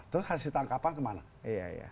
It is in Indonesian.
terus hasil tangkapan kemana